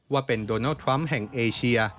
ว่าเป็นโดนัลดทรัมป์แห่งเอเชีย